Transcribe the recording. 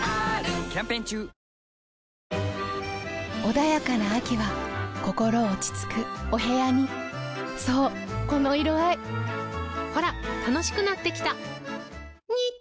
穏やかな秋は心落ち着くお部屋にそうこの色合いほら楽しくなってきた！